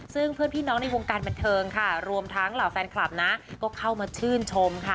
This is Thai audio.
ซึ่งเพื่อนพี่น้องในวงการบันเทิงค่ะรวมทั้งเหล่าแฟนคลับนะก็เข้ามาชื่นชมค่ะ